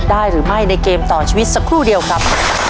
หรือไม่ในเกมต่อชีวิตสักครู่เดียวครับ